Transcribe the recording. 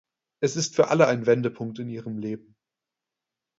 Es ist für alle ein Wendepunkt in ihrem Leben.